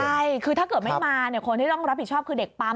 ใช่คือถ้าเกิดไม่มาเนี่ยคนที่ต้องรับผิดชอบคือเด็กปั๊ม